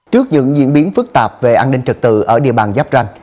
trước những diễn biến phức tạp về an ninh trật tự ở địa bàn giáp ranh